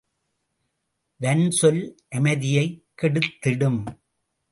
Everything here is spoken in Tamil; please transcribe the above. வன்சொல் அமைதியைக் கெடுத் திடும்.